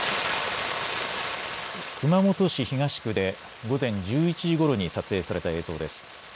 熊本市東区で午前１１時ごろに撮影された映像です。